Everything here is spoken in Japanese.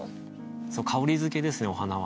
そう香りづけですねお花は。